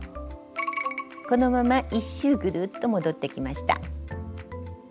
このまま１周ぐるっと戻ってきました。